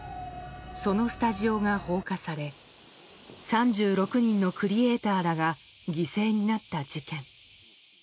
そのスタジオが放火され３６人のクリエーターらが犠牲になった事件。